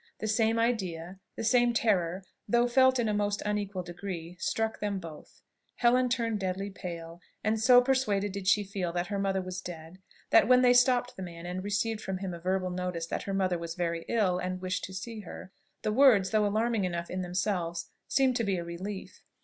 The same idea, the same terror, though felt in a most unequal degree, struck them both. Helen turned deadly pale; and so persuaded did she feel that her mother was dead, that when they stopped the man and received from him a verbal notice that her mother was very ill and wished to see her, the words, though alarming enough in themselves, seemed to be a relief.